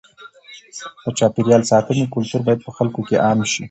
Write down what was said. د چاپېریال ساتنې کلتور باید په خلکو کې عام شي.